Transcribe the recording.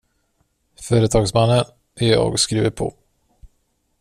Företagsmannen, jag skriver på.